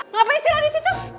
ngapain sirang disitu